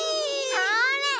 それ！